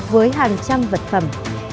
với hàng trăm vật phẩm